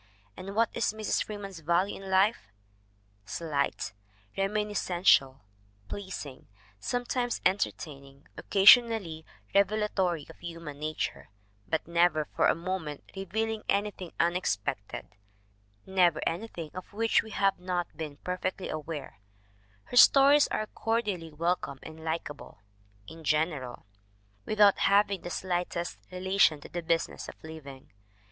And what is Mrs. Freeman's value in life? Slight, reminiscential, pleasing, sometimes en tertaining, occasionally revelatory of human nature, but never for a moment revealing anything unex pected, never anything of which we have not been per fectly aware her stories are cordially welcome and likeable (in general) without having the slightest re lation to the business of living.